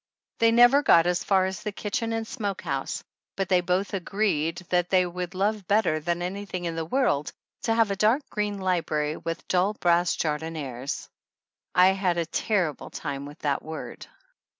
They never got as far as the kitchen and smokehouse, but they both agreed that they would love better than anything in the world to have a dark green library with dull brass jardinieres. (I had a terrible time with that word.)